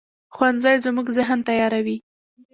ښوونځی زموږ ذهن تیاروي